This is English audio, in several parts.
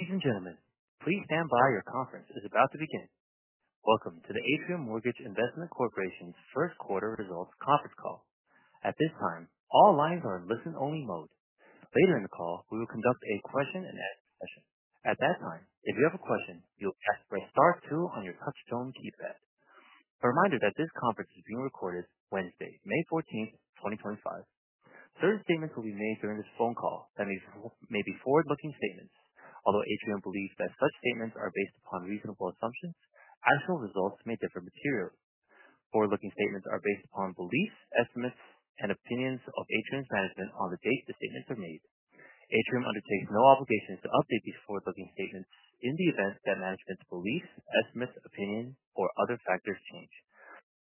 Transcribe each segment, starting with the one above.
Ladies and gentlemen, please stand by. Your conference is about to begin. Welcome to the Atrium Mortgage Investment Corporation's first quarter results conference call. At this time, all lines are in listen-only mode. Later in the call, we will conduct a question-and-answer session. At that time, if you have a question, you'll ask for a star two on your touchstone keypad. A reminder that this conference is being recorded Wednesday, May 14th, 2025. Certain statements will be made during this phone call that may be forward-looking statements. Although Atrium believes that such statements are based upon reasonable assumptions, actual results may differ materially. Forward-looking statements are based upon beliefs, estimates, and opinions of Atrium's management on the date the statements are made. Atrium undertakes no obligations to update these forward-looking statements in the event that management's beliefs, estimates, opinions, or other factors change.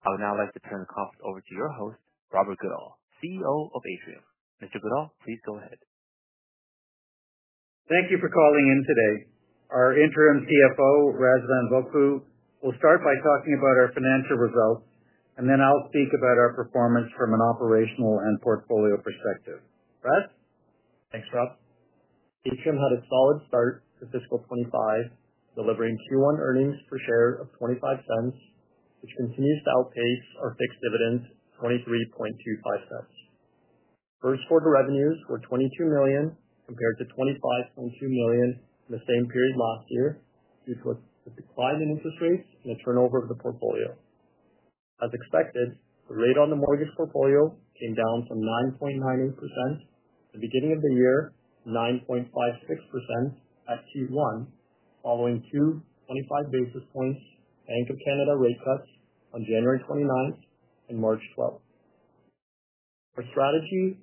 I would now like to turn the conference over to your host, Robert Goodall, CEO of Atrium. Mr. Goodall, please go ahead. Thank you for calling in today. Our Interim CFO, Razvan Vulcu, will start by talking about our financial results, and then I'll speak about our performance from an operational and portfolio perspective. Raz? Thanks, Rob. Atrium had a solid start for fiscal 2025, delivering Q1 earnings per share of $0.25, which continues to outpace our fixed dividend of $0.2325. First quarter revenues were $22 million compared to $25.2 million in the same period last year due to a decline in interest rates and a turnover of the portfolio. As expected, the rate on the mortgage portfolio came down from 9.98% at the beginning of the year to 9.56% at Q1, following two 25 basis point Bank of Canada rate cuts on January 29th and March 12th. Our strategy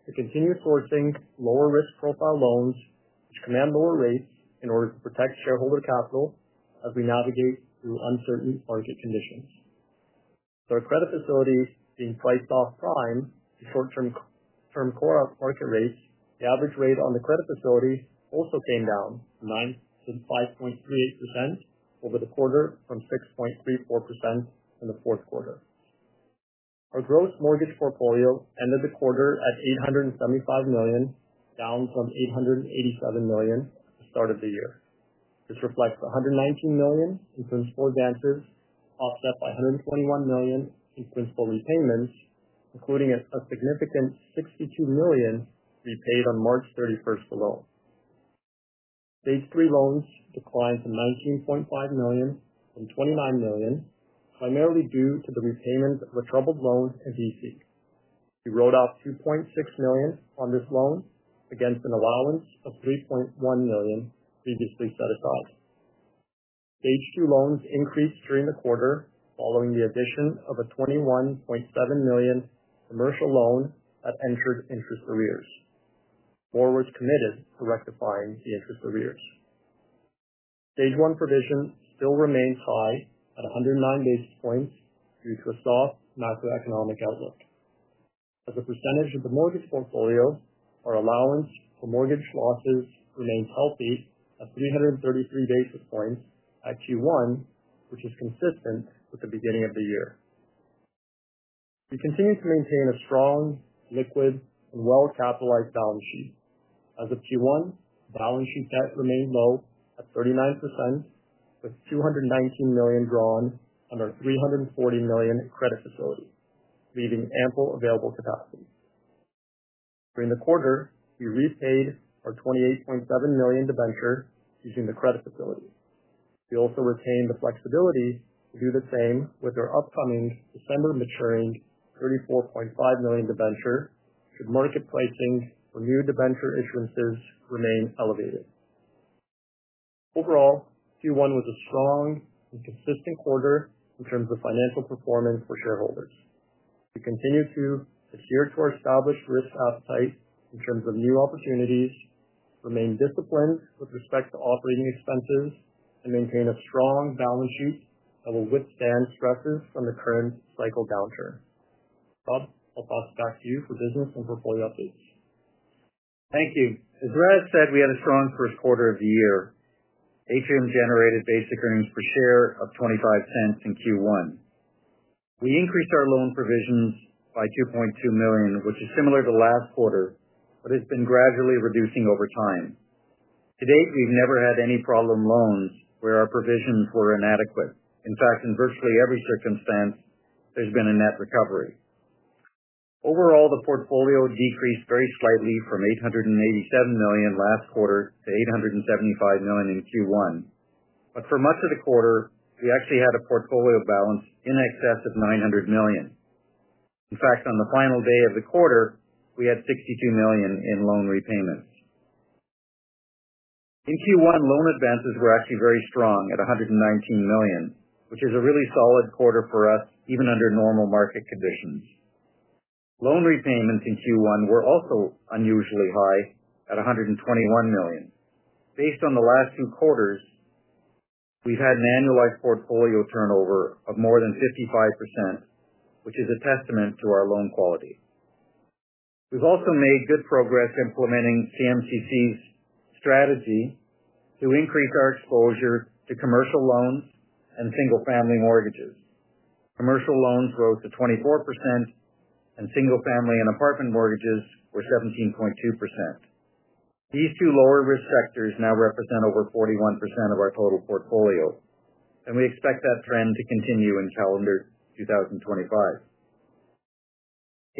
is to continue sourcing lower-risk profile loans, which command lower rates, in order to protect shareholder capital as we navigate through uncertain market conditions. With our credit facility being priced off prime to short-term core market rates, the average rate on the credit facility also came down from 9.38% over the quarter from 6.34% in the fourth quarter. Our gross mortgage portfolio ended the quarter at $875 million, down from $887 million at the start of the year. This reflects $119 million in principal advances, offset by $121 million in principal repayments, including a significant $62 million repaid on March 31st alone. Stage 3 loans declined from $29 million to $19.5 million, primarily due to the repayment of a troubled loan in British Columbia. We wrote off $2.6 million on this loan against an allowance of $3.1 million previously set aside. Stage two loans increased during the quarter, following the addition of a $21.7 million commercial loan that entered interest arrears. More was committed to rectifying the interest arrears. Phase one provision still remains high at 109 basis points due to a soft macroeconomic outlook. As a percentage of the mortgage portfolio, our allowance for mortgage losses remains healthy at 333 basis points at Q1, which is consistent with the beginning of the year. We continue to maintain a strong, liquid, and well-capitalized balance sheet. As of Q1, balance sheet debt remained low at 39%, with $219 million drawn and our $40 million credit facility, leaving ample available capacity. During the quarter, we repaid our $28.7 million debenture using the credit facility. We also retained the flexibility to do the same with our upcoming December maturing $34.5 million debenture, should market pricing for new debenture issuances remain elevated. Overall, Q1 was a strong and consistent quarter in terms of financial performance for shareholders. We continue to adhere to our established risk appetite in terms of new opportunities, remain disciplined with respect to operating expenses, and maintain a strong balance sheet that will withstand stresses from the current cycle downturn. Rob, I'll pass it back to you for business and portfolio updates. Thank you. As Raz said, we had a strong first quarter of the year. Atrium generated basic earnings per share of $0.25 in Q1. We increased our loan provisions by $2.2 million, which is similar to last quarter, but has been gradually reducing over time. To date, we've never had any problem loans where our provisions were inadequate. In fact, in virtually every circumstance, there's been a net recovery. Overall, the portfolio decreased very slightly from $887 million last quarter to $875 million in Q1. For much of the quarter, we actually had a portfolio balance in excess of $900 million. In fact, on the final day of the quarter, we had $62 million in loan repayments. In Q1, loan advances were actually very strong at $119 million, which is a really solid quarter for us, even under normal market conditions. Loan repayments in Q1 were also unusually high at $121 million. Based on the last two quarters, we've had an annualized portfolio turnover of more than 55%, which is a testament to our loan quality. We've also made good progress implementing Atrium's strategy to increase our exposure to commercial loans and single-family mortgages. Commercial loans rose to 24%, and single-family and apartment mortgages were 17.2%. These two lower-risk sectors now represent over 41% of our total portfolio, and we expect that trend to continue in calendar 2025.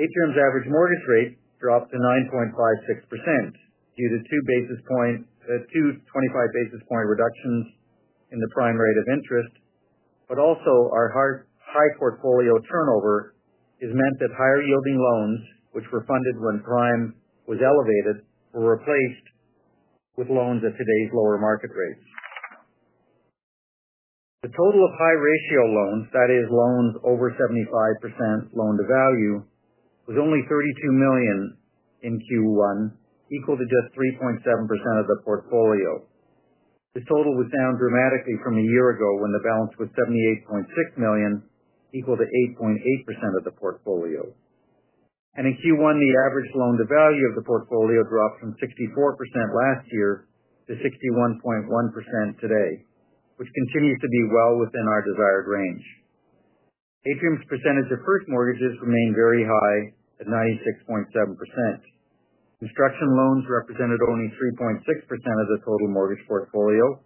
Atrium's average mortgage rate dropped to 9.56% due to two 25 basis point reductions in the prime rate of interest, but also our high portfolio turnover has meant that higher-yielding loans, which were funded when prime was elevated, were replaced with loans at today's lower market rates. The total of high-ratio loans, that is, loans over 75% loan-to-value, was only $32 million in Q1, equal to just 3.7% of the portfolio. This total was down dramatically from a year ago when the balance was $78.6 million, equal to 8.8% of the portfolio. In Q1, the average loan-to-value of the portfolio dropped from 64% last year to 61.1% today, which continues to be well within our desired range. Atrium's percentage of first mortgages remained very high at 96.7%. Construction loans represented only 3.6% of the total mortgage portfolio.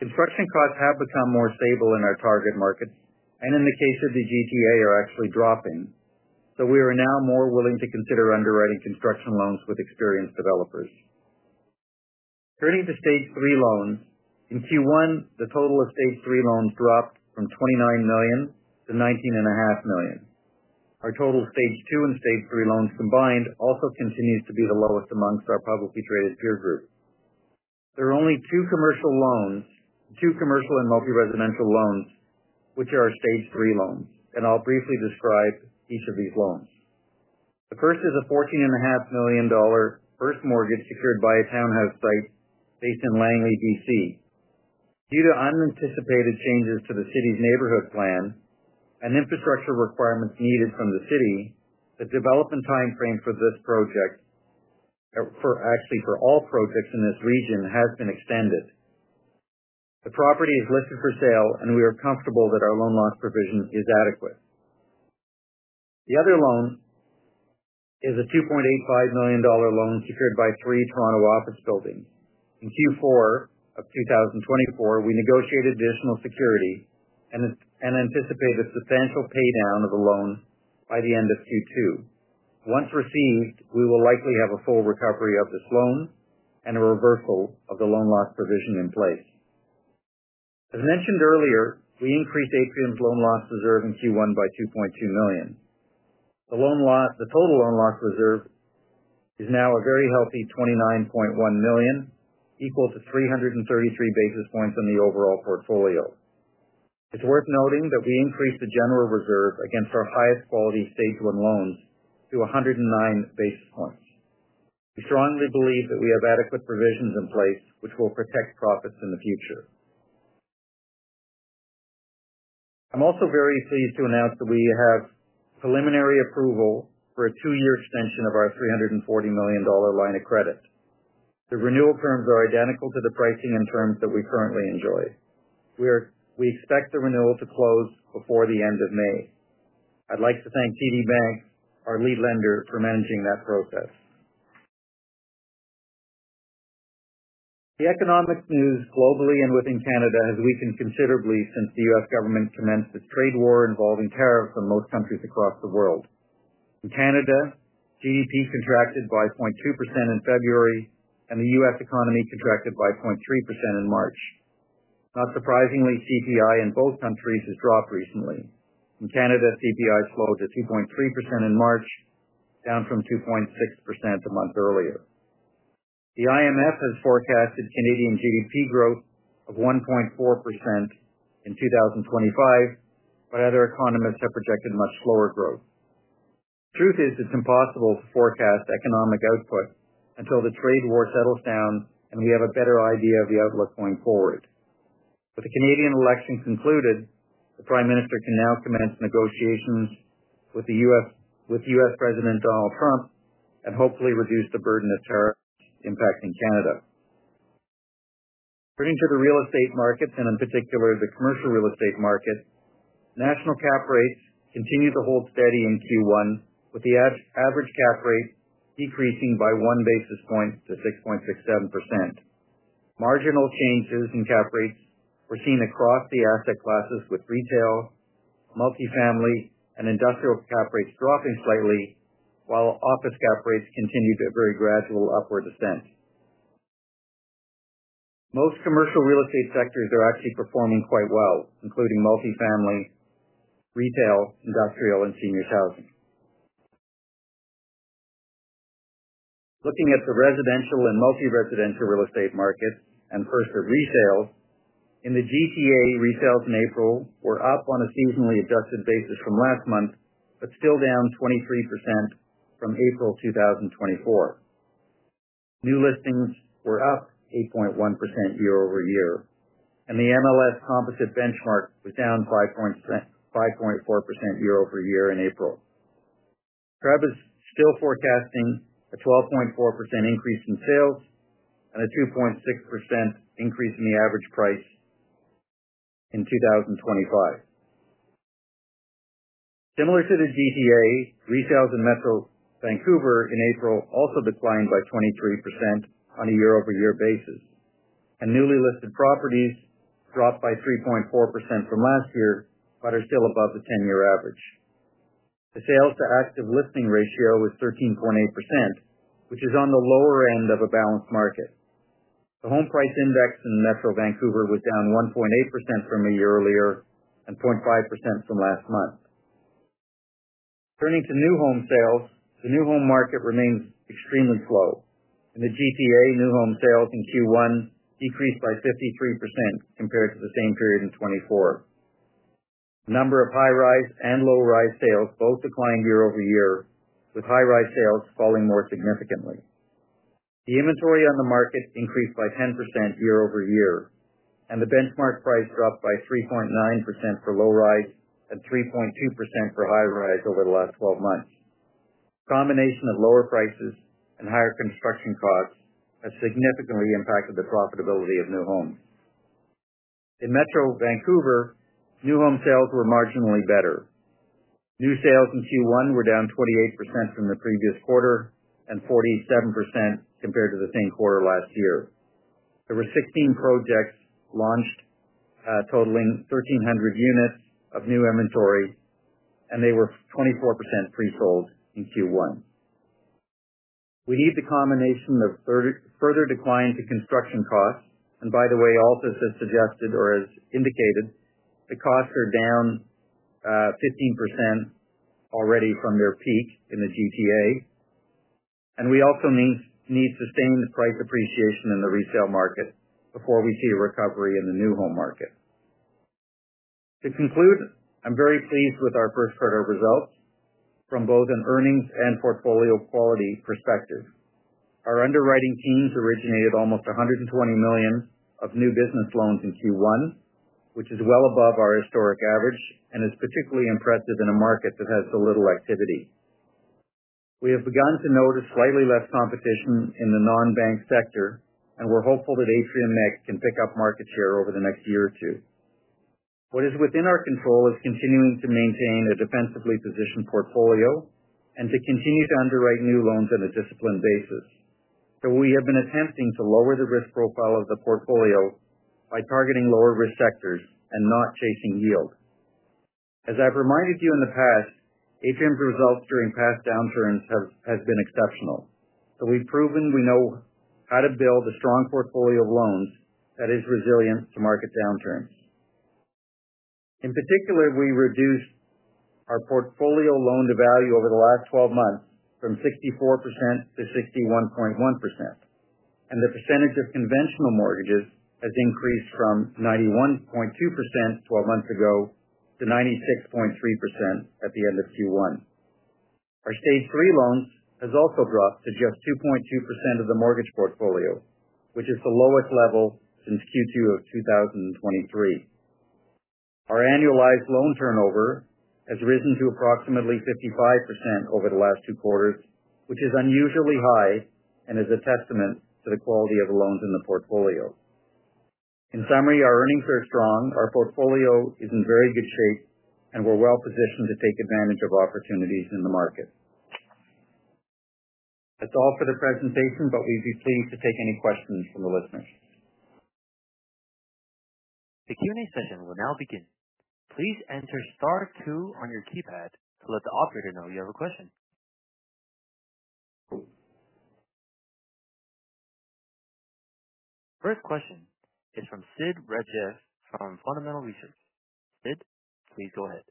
Construction costs have become more stable in our target markets, and in the case of the Greater Toronto Area, are actually dropping, so we are now more willing to consider underwriting construction loans with experienced developers. Turning to stage three loans, in Q1, the total of stage three loans dropped from $29 million to $19.5 million. Our total stage 2 and stage 3 loans combined also continues to be the lowest amongst our publicly traded peer group. There are only two commercial loans, two commercial and multi-residential loans, which are our stage 3 loans, and I'll briefly describe each of these loans. The first is a $14.5 million first mortgage secured by a townhouse site based in Langley, British Columbia. Due to unanticipated changes to the city's neighborhood plan and infrastructure requirements needed from the city, the development timeframe for this project, actually for all projects in this region, has been extended. The property is listed for sale, and we are comfortable that our loan loss provision is adequate. The other loan is a $2.85 million loan secured by three Toronto office buildings. In Q4 of 2024, we negotiated additional security and anticipated substantial paydown of the loan by the end of Q2. Once received, we will likely have a full recovery of this loan and a reversal of the loan loss provision in place. As mentioned earlier, we increased Atrium's loan loss reserve in Q1 by $2.2 million. The total loan loss reserve is now a very healthy $29.1 million, equal to 333 basis points in the overall portfolio. It's worth noting that we increased the general reserve against our highest quality stage one loans to 109 basis points. We strongly believe that we have adequate provisions in place, which will protect profits in the future. I'm also very pleased to announce that we have preliminary approval for a two-year extension of our $340 million line of credit. The renewal terms are identical to the pricing and terms that we currently enjoy. We expect the renewal to close before the end of May. I'd like to thank TD Bank, our lead lender, for managing that process. The economic news globally and within Canada has weakened considerably since the U.S. government commenced its trade war involving tariffs on most countries across the world. In Canada, GDP contracted by 0.2% in February, and the U.S. economy contracted by 0.3% in March. Not surprisingly, CPI in both countries has dropped recently. In Canada, CPI slowed to 2.3% in March, down from 2.6% a month earlier. The IMF has forecasted Canadian GDP growth of 1.4% in 2025, but other economists have projected much slower growth. The truth is, it's impossible to forecast economic output until the trade war settles down and we have a better idea of the outlook going forward. With the Canadian election concluded, the Prime Minister can now commence negotiations with U.S. President Donald Trump and hopefully reduce the burden of tariffs impacting Canada. Turning to the real estate markets, and in particular the commercial real estate market, national cap rates continue to hold steady in Q1, with the average cap rate decreasing by one basis point to 6.67%. Marginal changes in cap rates were seen across the asset classes, with retail, multifamily, and industrial cap rates dropping slightly, while office cap rates continued a very gradual upward ascent. Most commercial real estate sectors are actually performing quite well, including multifamily, retail, industrial, and seniors' housing. Looking at the residential and multi-residential real estate markets, and first the resales, in the Greater Toronto Area, resales in April were up on a seasonally adjusted basis from last month, but still down 23% from April 2024. New listings were up 8.1% YoY, and the MLS composite benchmark was down 5.4% YoY in April. TREB is still forecasting a 12.4% increase in sales and a 2.6% increase in the average price in 2025. Similar to the GTA, resales in Metro Vancouver in April also declined by 23% on a year-over-year basis. Newly listed properties dropped by 3.4% from last year, but are still above the 10-year average. The sales-to-active listing ratio was 13.8%, which is on the lower end of a balanced market. The home price index in Metro Vancouver was down 1.8% from a year earlier and 0.5% from last month. Turning to new home sales, the new home market remains extremely slow. In the GTA, new home sales in Q1 decreased by 53% compared to the same period in 2024. The number of high-rise and low-rise sales both declined year-over-year, with high-rise sales falling more significantly. The inventory on the market increased by 10% YoY, and the benchmark price dropped by 3.9% for low-rise and 3.2% for high-rise over the last 12 months. The combination of lower prices and higher construction costs has significantly impacted the profitability of new homes. In Metro Vancouver, new home sales were marginally better. New sales in Q1 were down 28% from the previous quarter and 47% compared to the same quarter last year. There were 16 projects launched totaling 1,300 units of new inventory, and they were 24% pre-sold in Q1. We need the combination of further decline to construction costs, and by the way, also as suggested or as indicated, the costs are down 15% already from their peak in the GTA. We also need sustained price appreciation in the resale market before we see a recovery in the new home market. To conclude, I'm very pleased with our first quarter results from both an earnings and portfolio quality perspective. Our underwriting teams originated almost $120 million of new business loans in Q1, which is well above our historic average and is particularly impressive in a market that has so little activity. We have begun to notice slightly less competition in the non-bank sector, and we're hopeful that Atrium Mortgage Investment Corporation can pick up market share over the next year or two. What is within our control is continuing to maintain a defensively positioned portfolio and to continue to underwrite new loans on a disciplined basis. We have been attempting to lower the risk profile of the portfolio by targeting lower-risk sectors and not chasing yield. As I've reminded you in the past, Atrium's results during past downturns have been exceptional. We have proven we know how to build a strong portfolio of loans that is resilient to market downturns. In particular, we reduced our portfolio loan-to-value over the last 12 months from 64% to 61.1%. The percentage of conventional mortgages has increased from 91.2% 12 months ago to 96.3% at the end of Q1. Our stage three loans have also dropped to just 2.2% of the mortgage portfolio, which is the lowest level since Q2 of 2023. Our annualized loan turnover has risen to approximately 55% over the last two quarters, which is unusually high and is a testament to the quality of the loans in the portfolio. In summary, our earnings are strong, our portfolio is in very good shape, and we are well positioned to take advantage of opportunities in the market. That is all for the presentation, but we would be pleased to take any questions from the listeners. The Q&A session will now begin. Please enter star two on your keypad to let the operator know you have a question. First question is from Sid Rajeev from Fundamental Research. Sid, please go ahead.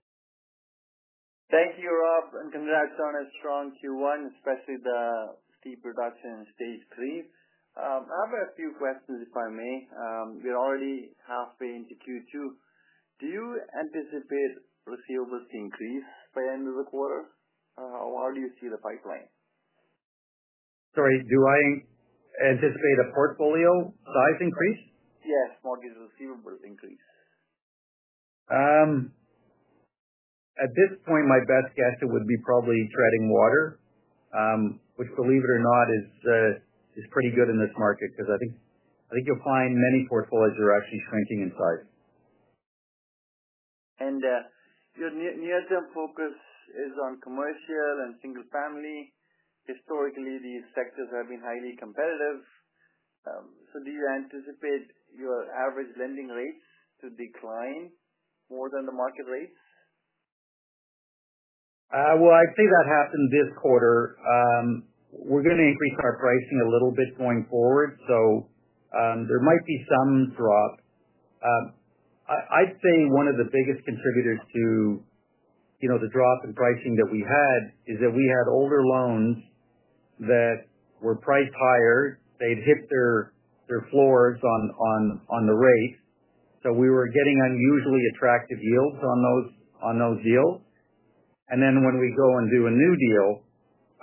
Thank you, Rob, and congrats on a strong Q1, especially the steep reduction in stage three. I have a few questions, if I may. We're already halfway into Q2. Do you anticipate receivables to increase by the end of the quarter, or how do you see the pipeline? Sorry, do I anticipate a portfolio size increase? Yes, mortgage receivables increase. At this point, my best guess would be probably treading water, which, believe it or not, is pretty good in this market because I think you'll find many portfolios are actually shrinking in size. Your near-term focus is on commercial and single-family. Historically, these sectors have been highly competitive. Do you anticipate your average lending rates to decline more than the market rates? I would say that happened this quarter. We are going to increase our pricing a little bit going forward, so there might be some drop. I would say one of the biggest contributors to the drop in pricing that we had is that we had older loans that were priced higher. They had hit their floors on the rate, so we were getting unusually attractive yields on those yields. And then when we go and do a new deal,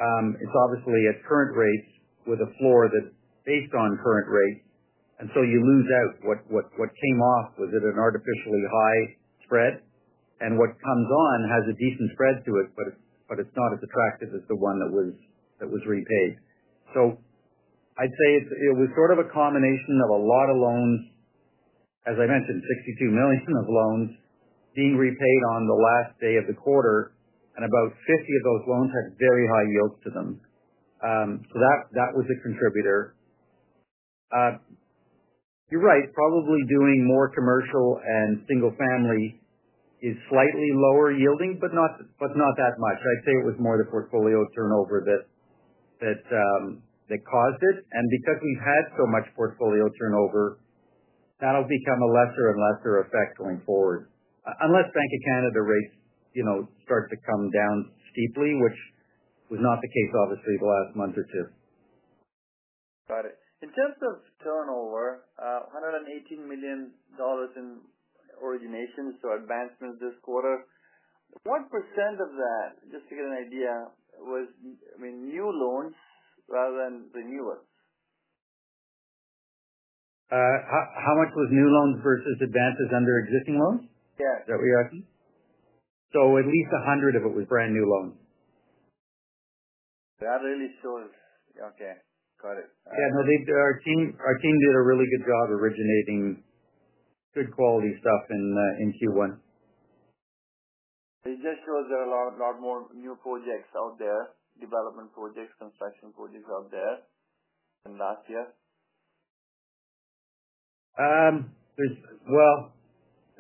it is obviously at current rates with a floor that is based on current rates, and so you lose out. What came off was at an artificially high spread, and what comes on has a decent spread to it, but it is not as attractive as the one that was repaid. I'd say it was sort of a combination of a lot of loans, as I mentioned, $62 million of loans being repaid on the last day of the quarter, and about 50 of those loans had very high yields to them. That was a contributor. You're right, probably doing more commercial and single-family is slightly lower yielding, but not that much. I'd say it was more the portfolio turnover that caused it. Because we've had so much portfolio turnover, that'll become a lesser and lesser effect going forward, unless Bank of Canada rates start to come down steeply, which was not the case, obviously, the last month or two. Got it. In terms of turnover, $118 million in origination, so advancements this quarter, what percent of that, just to get an idea, was new loans rather than renewals? How much was new loans versus advances under existing loans? Yes. Is that what you're asking? At least 100 of it was brand new loans. That really shows. Okay. Got it. Yeah, no, our team did a really good job originating good quality stuff in Q1. It just shows there are a lot more new projects out there, development projects, construction projects out there than last year.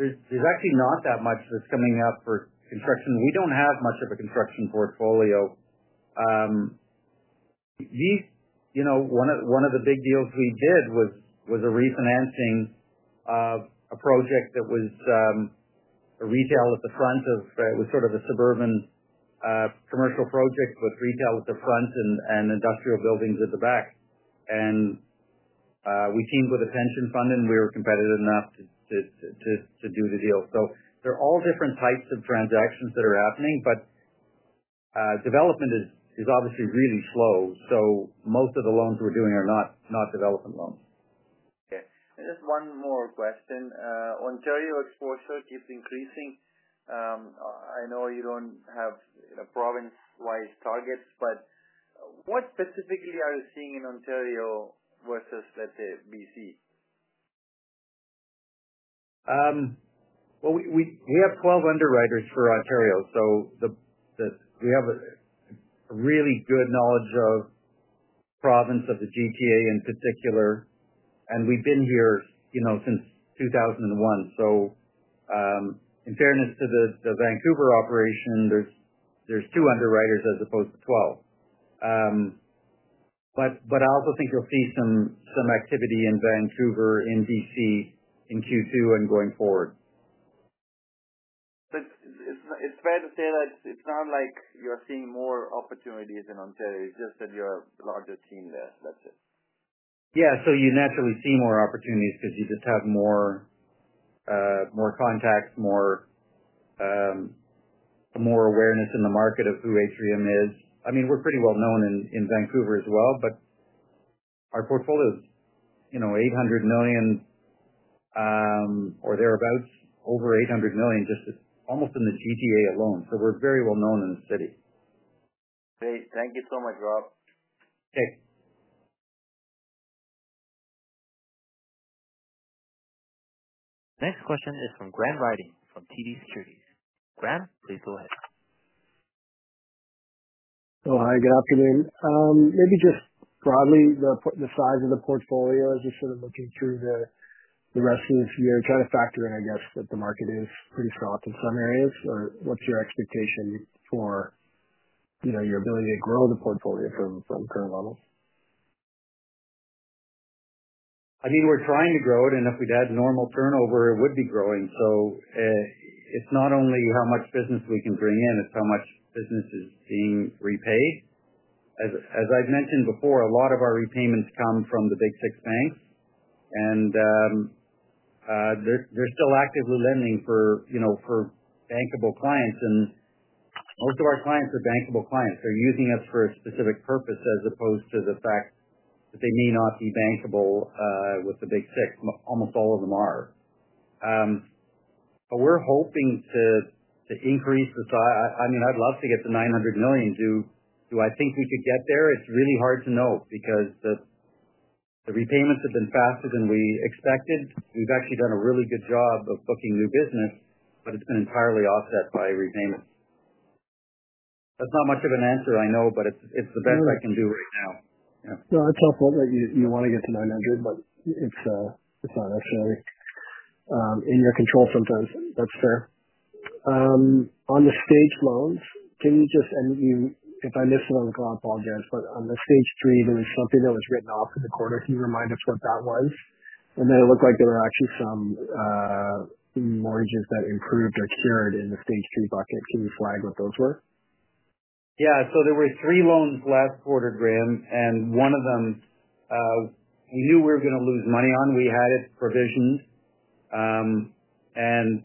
There is actually not that much that is coming up for construction. We do not have much of a construction portfolio. One of the big deals we did was a refinancing of a project that was a retail at the front of it, it was sort of a suburban commercial project with retail at the front and industrial buildings at the back. We teamed with a pension fund, and we were competitive enough to do the deal. There are all different types of transactions that are happening, but development is obviously really slow, so most of the loans we are doing are not development loans. Okay. Just one more question. Ontario exposure keeps increasing. I know you don't have province-wide targets, but what specifically are you seeing in Ontario versus, let's say, BC? We have 12 underwriters for Ontario, so we have a really good knowledge of the province of the GTA in particular, and we've been here since 2001. In fairness to the Vancouver operation, there's two underwriters as opposed to 12. I also think you'll see some activity in Vancouver, in BC, in Q2 and going forward. It's fair to say that it's not like you're seeing more opportunities in Ontario. It's just that you're a larger team there. That's it. Yeah, so you naturally see more opportunities because you just have more contacts, more awareness in the market of who Atrium is. I mean, we're pretty well known in Vancouver as well, but our portfolio is $800 million or thereabouts, over $800 million, just almost in the GTA alone. So we're very well known in the city. Great. Thank you so much, Rob. Okay. Next question is from Graham Ryding from TD Securities. Graham, please go ahead. Hi, good afternoon. Maybe just broadly, the size of the portfolio as you're sort of looking through the rest of this year, trying to factor in, I guess, that the market is pretty soft in some areas. What's your expectation for your ability to grow the portfolio from current levels? I mean, we're trying to grow it, and if we'd had normal turnover, it would be growing. It is not only how much business we can bring in, it is how much business is being repaid. As I've mentioned before, a lot of our repayments come from the big six banks, and they're still actively lending for bankable clients. Most of our clients are bankable clients. They're using us for a specific purpose as opposed to the fact that they may not be bankable with the big six. Almost all of them are. We're hoping to increase the size. I mean, I'd love to get to $900 million. Do I think we could get there? It is really hard to know because the repayments have been faster than we expected. We've actually done a really good job of booking new business, but it has been entirely offset by repayments. That's not much of an answer, I know, but it's the best I can do right now. No, it is helpful that you want to get to $900 million, but it is not necessarily in your control sometimes. That is fair. On the stage loans, can you just—if I missed it on the call, I apologize—but on the stage three, there was something that was written off in the quarter. Can you remind us what that was? It looked like there were actually some mortgages that improved or cured in the stage three bucket. Can you flag what those were? Yeah. There were three loans last quarter, Graham, and one of them we knew we were going to lose money on. We had it provisioned, and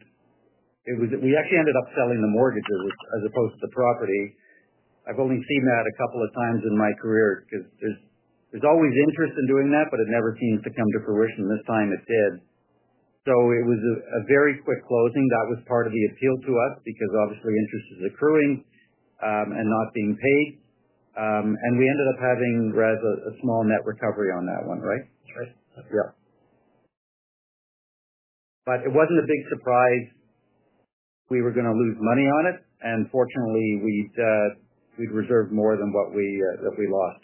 we actually ended up selling the mortgages as opposed to the property. I've only seen that a couple of times in my career because there's always interest in doing that, but it never seems to come to fruition. This time, it did. It was a very quick closing. That was part of the appeal to us because, obviously, interest is accruing and not being paid. We ended up having a small net recovery on that one, right? That's right. Yeah. It was not a big surprise we were going to lose money on it, and fortunately, we had reserved more than what we lost.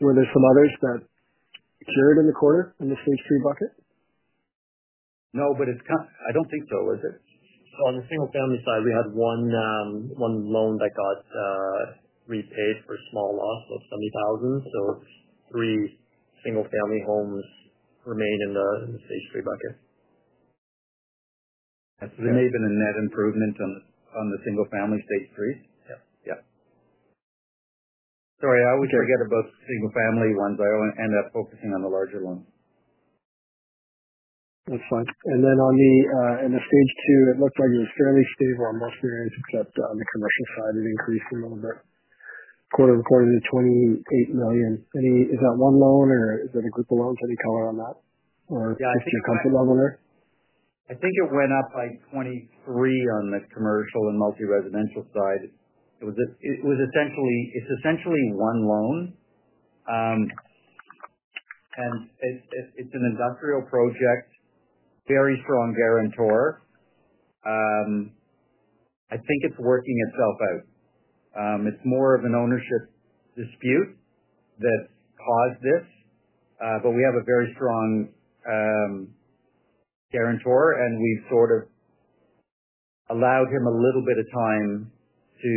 Were there some others that cured in the quarter in the stage three bucket? No, but it's—I don't think so, is it? On the single-family side, we had one loan that got repaid for a small loss of $70,000. Three single-family homes remained in the stage three bucket. There may have been a net improvement on the single-family stage three. Yeah. Yeah. Sorry, I always forget about the single-family ones. I always end up focusing on the larger loans. That's fine. Then on the stage two, it looked like it was fairly stable on most areas except on the commercial side. It increased a little bit. Quarter to quarter, the $28 million. Is that one loan, or is that a group of loans? Any color on that or just your comfort level there? I think it went up by 23 on the commercial and multi-residential side. It was essentially one loan, and it is an industrial project, very strong guarantor. I think it is working itself out. It is more of an ownership dispute that caused this, but we have a very strong guarantor, and we have sort of allowed him a little bit of time to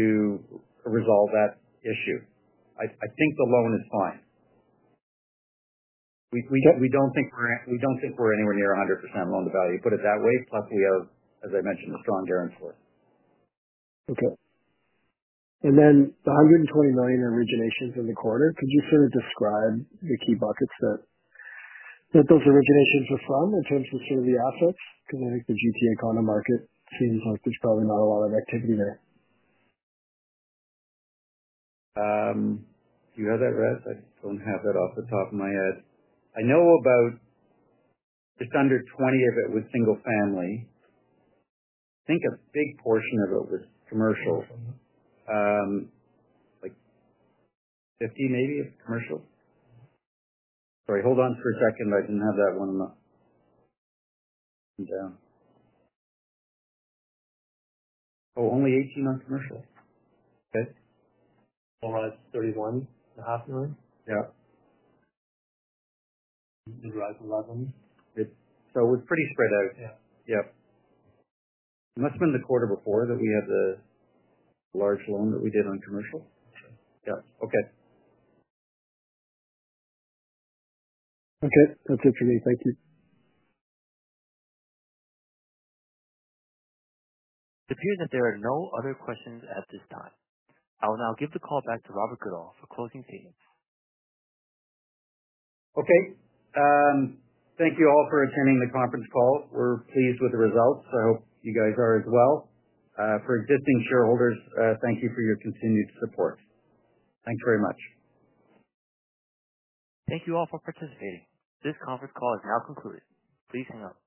resolve that issue. I think the loan is fine. We do not think we are anywhere near 100% loan to value, put it that way. Plus, we have, as I mentioned, a strong guarantor. Okay. And then the $20 million originations in the quarter, could you sort of describe the key buckets that those originations were from in terms of sort of the assets? Because I think the Greater Toronto Area kind of market seems like there's probably not a lot of activity there. Do you have that, Rez? I do not have that off the top of my head. I know about just under 20 of it was single-family. I think a big portion of it was commercial, like 50 maybe of commercial. Sorry, hold on for a second. I did not have that one down. Oh, only 18 on commercial. Okay. Around $31.5 million? Yeah. Around 11? It was pretty spread out. Yeah. Must have been the quarter before that we had the large loan that we did on commercial. Yeah. Okay. Okay. That's it for me. Thank you. It appears that there are no other questions at this time. I will now give the call back to Robert Goodall for closing statements. Okay. Thank you all for attending the conference call. We're pleased with the results. I hope you guys are as well. For existing shareholders, thank you for your continued support. Thanks very much. Thank you all for participating. This conference call is now concluded. Please hang up.